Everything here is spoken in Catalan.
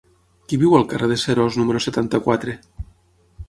Qui viu al carrer de Seròs número setanta-quatre?